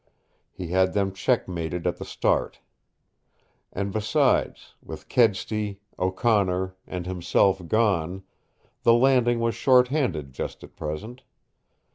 He had them checkmated at the start. And, besides with Kedsty, O'Connor, and himself gone the Landing was short handed just at present.